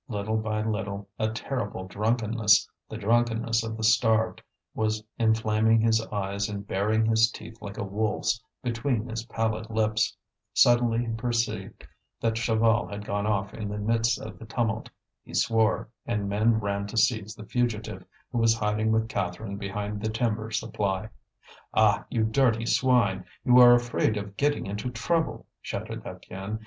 Little by little a terrible drunkenness, the drunkenness of the starved, was inflaming his eyes and baring his teeth like a wolf's between his pallid lips. Suddenly he perceived that Chaval had gone off in the midst of the tumult. He swore, and men ran to seize the fugitive, who was hiding with Catherine behind the timber supply. "Ah! you dirty swine; you are afraid of getting into trouble!" shouted Étienne.